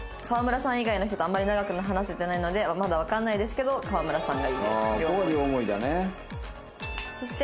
「河村さん以外の人とあんまり長く話せてないのでまだわかんないですけど河村さんがいいです」。